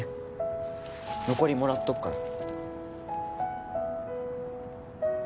残りもらっとくから。